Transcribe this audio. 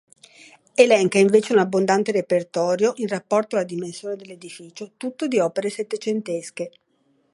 Elenca invece un abbondante repertorio, in rapporto la dimensione dell'edificio, tutto di opere settecentesche.